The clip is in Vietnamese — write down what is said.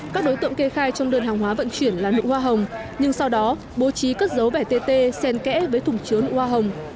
các đối tượng kê khai trong đơn hàng hóa vận chuyển là nựa hoa hồng nhưng sau đó bố trí cất dấu vẻ tê sen kẽ với thùng chứa nụ hoa hồng